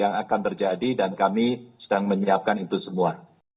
yang akan terjadi dan kami sedang menyiapkan itu semua